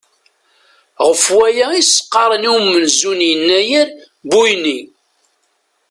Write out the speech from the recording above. Ɣef waya i as-qqaren i umenzu n yennayer Buyni.